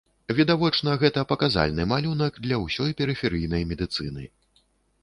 Відавочна, гэта паказальны малюнак для ўсёй перыферыйнай медыцыны.